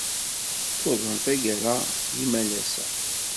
Tuḍen tagara n yimalas-a.